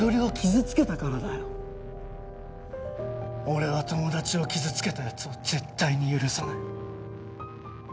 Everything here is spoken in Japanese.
俺は友達を傷つけた奴を絶対に許さない！